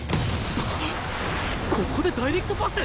ここでダイレクトパス！？